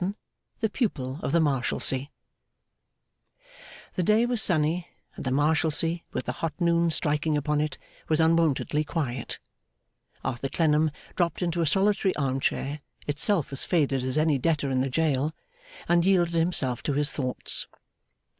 The Pupil of the Marshalsea The day was sunny, and the Marshalsea, with the hot noon striking upon it, was unwontedly quiet. Arthur Clennam dropped into a solitary arm chair, itself as faded as any debtor in the jail, and yielded himself to his thoughts.